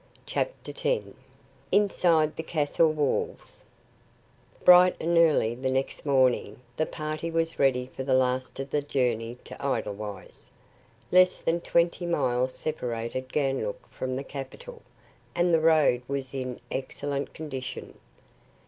CHAPTER X INSIDE THE CASTLE WALLS Bright and early the next morning the party was ready for the last of the journey to Edelweiss. Less than twenty miles separated Ganlook from the capital, and the road was in excellent condition.